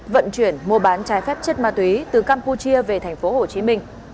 vận chuyển mua bán trái phép chất ma túy từ campuchia về thành phố hồ chí minh